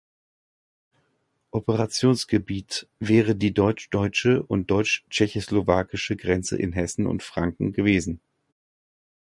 Operationsgebiet wäre die deutsch-deutsche und deutsch-tschechoslowakische Grenze in Hessen und Franken gewesen.